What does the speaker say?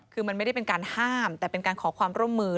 คือมันไม่ได้เป็นการห้ามแต่เป็นการขอความร่วมมือ